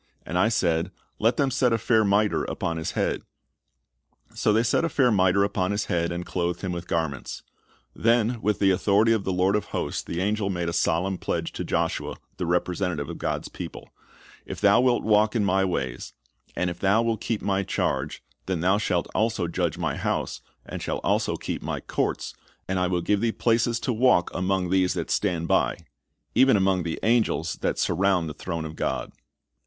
And I said, Let them set a fair miter, upon his head. So they set a fair miter upon his head, and clothed him with garments." Then with the authority of the Lord of hosts the angel made a solemn pledge to Joshua, the representativ'e of God's people: "If thou wilt walk in My ways, and if thou wilt keep My charge, then thou shalt also judge My house, and shalt also keep My courts, and I will give thee places to walk among these that stand by,"' — even among the angels that surround the throne of God.